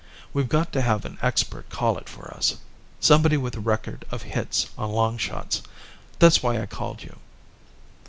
We've got to have an expert call it for us somebody with a record of hits on long shots. That's why I called you."